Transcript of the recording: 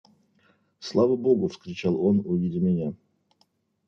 «Слава богу! – вскричал он, увидя меня.